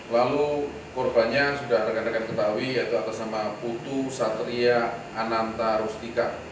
lalu korbannya sudah rekan rekan ketahui yaitu atas nama putu satria ananta rustika